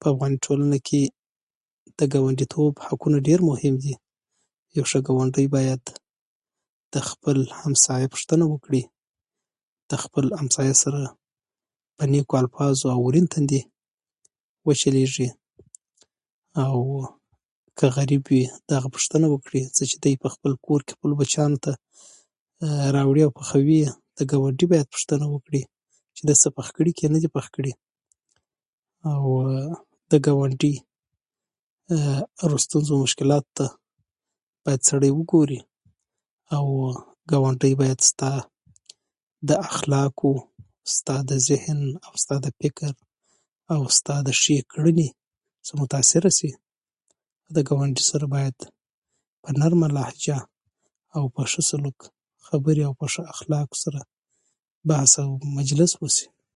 په ټولنه کې د ګاونډیتوب حقونه ډېر مهم دي. یو ښه ګاونډی باید د خپل همسایه پوښتنه وکړي، د خپل همسایه سره په نیکو الفاظو او ورین تندي وچلېږي، او که غریب وي، د هغه پوښتنه وکړي. څه چې په خپلو کور کې بچیانو ته راوړي او پخوي یې، د ګاونډي باید پوښتنه وکړي چې ده څه پاخه کړي، نه دي یې پاخه کړي. او د ګاونډي ستونزو او مشکلاتو ته باید سړی وګوري، او ګاونډی باید ستا د اخلاقو، ستا د ذهن او ستا د فکر او ستا د ښې کړنې څخه متاثره شي. د ګاونډي سره باید په نرمه لهجه او په ښه سلوک سره خبرې، او په ښه اخلاق ورسره بحث او مجلس وشي.